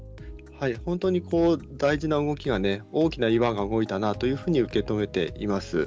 本当に大事な動きが、大きな岩が動いたなと受け止めています。